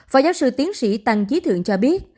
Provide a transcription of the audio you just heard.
phó giáo sư tiến sĩ tăng trí thượng cho biết